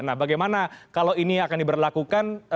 nah bagaimana kalau ini akan diberlakukan